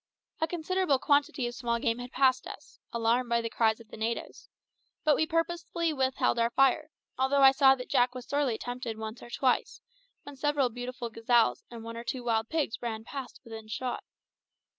A considerable quantity of small game had passed us, alarmed by the cries of the natives; but we purposely withheld our fire, although I saw that Jack was sorely tempted once or twice, when several beautiful gazelles and one or two wild pigs ran past within shot.